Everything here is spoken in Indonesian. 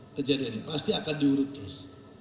terjadi ini pasti akan diurut terus